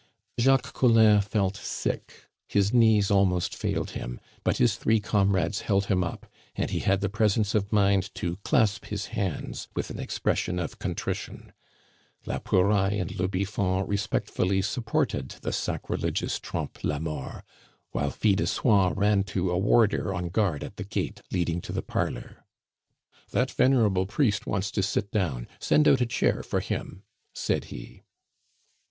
Jacques Collin felt sick, his knees almost failed him; but his three comrades held him up, and he had the presence of mind to clasp his hands with an expression of contrition. La Pouraille and le Biffon respectfully supported the sacrilegious Trompe la Mort, while Fil de Soie ran to a warder on guard at the gate leading to the parlor. "That venerable priest wants to sit down; send out a chair for him," said he.